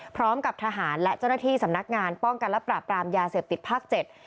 พร้อมกับทหารและเจ้าหน้าที่สำนักงานป้องกันและปราบปรามยาเสพติดภาคเจ็ด